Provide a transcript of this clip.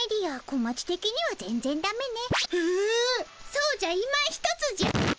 そうじゃいまひとつじゃ。